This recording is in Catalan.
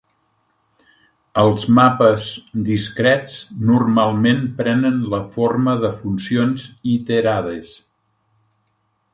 Els mapes discrets normalment prenen la forma de funcions iterades.